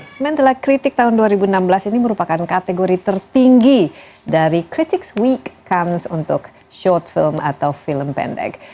semaine de la critique tahun dua ribu enam belas ini merupakan kategori tertinggi dari critique week cannes untuk short film atau film pendek